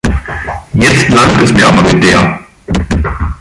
Jetzt langt es mir aber mit der.